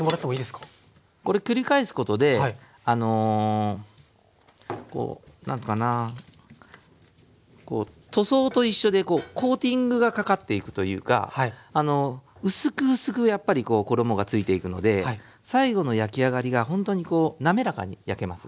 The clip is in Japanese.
これ繰り返すことであのこう何ていうかなこう塗装と一緒でコーティングがかかっていくというか薄く薄くやっぱりこう衣がついていくので最後の焼き上がりがほんとにこう滑らかに焼けます。